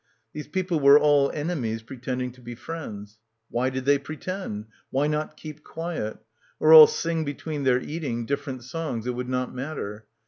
These people were all enemies pretending to be friends. Why did they pretend? Why not keep quiet? Or all sing between their eating, different songs, it would not matter.